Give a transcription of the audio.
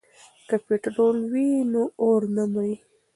که پټرول وي نو اور نه مري.